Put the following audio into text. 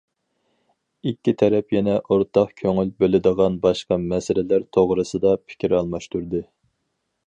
ئىككى تەرەپ يەنە ئورتاق كۆڭۈل بۆلىدىغان باشقا مەسىلىلەر توغرىسىدا پىكىر ئالماشتۇردى.